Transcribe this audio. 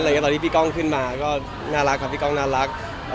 แต่ที่พี่ก้องขึ้นมาก็น่ารัก